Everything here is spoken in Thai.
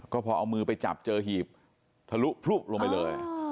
ก็พอเอามือไปจับเจอหีบทะลุพลุบลงไปเลย